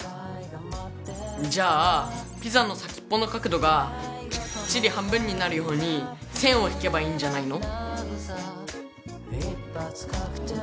じゃあピザの先っぽの角度がきっちり半分になるように線を引けばいいんじゃないの？